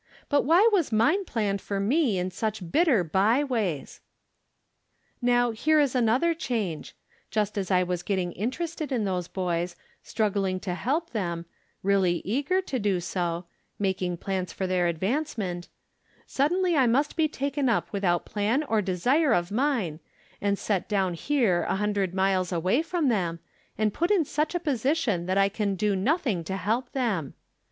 But why was mine planned for me in such bitter by ways ? Now, here is another change. Just as I was getting interested in those boys, struggling to help them — really eager to do so: — making plans for their advancement, suddenly I must be taken up without plan or desire of mine, and set down here a hundred miles away from them, and put in such a position that I can do nothing to help them.